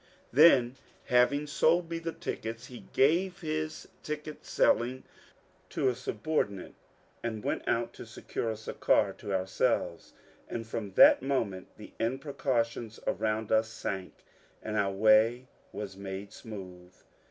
" Then having sold me the tickets, he gave his ticket selling to a subordi nate, and went out to secure us a car to ourselves ; and from that moment the imprecations around us sank, and our way was made smooth.